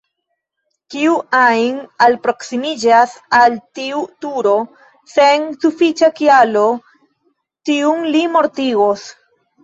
Kiu ajn alproksimiĝas al tiu turo sen sufiĉa kialo, tiun li mortigos.